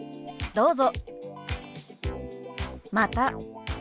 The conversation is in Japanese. どうぞ。